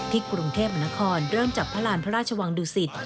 ที่กรุงเทพฯอนาคอลเริ่มจากพระราชวังดุสิต